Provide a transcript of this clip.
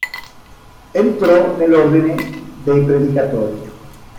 Entrò nell'ordine dei predicatori.